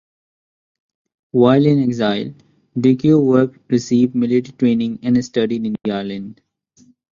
While in exile, Dirceu worked, received military training and studied in the island.